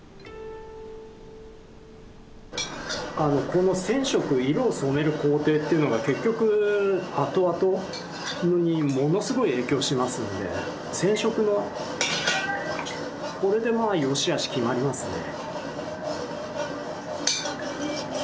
この染色色を染める工程っていうのが結局あとあとにものすごい影響しますので染色のこれでまあよしあし決まりますね。